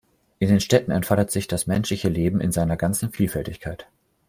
In den Städten entfaltet sich das menschliche Leben in seiner ganzen Vielfältigkeit.